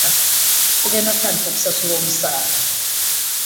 Tugenda kutandika okubasala omusaala.